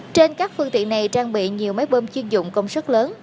trên các phương tiện này trang bị nhiều máy bơm chuyên dụng công suất lớn